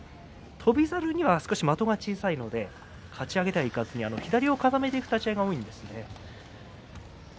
翔猿には少し的が小さいのでかち上げでいかずに左を抱えていく相撲が多いですね。